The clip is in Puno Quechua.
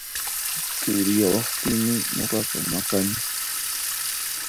Turiyawaqtinmi nuqaqa maqani